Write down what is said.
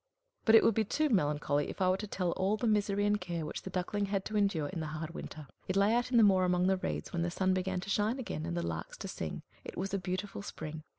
But it would be too melancholy if I were to tell all the misery and care which the Duckling had to endure in the hard winter. It lay out on the moor among the reeds, when the sun began to shine again and the larks to sing. It was a beautiful spring.